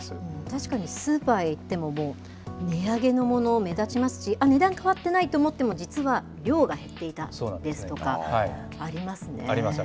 確かにスーパーへ行っても、もう値上げのもの、目立ちますし、あっ、値段変わってないと思っても、実は量が減っていたですとかあります。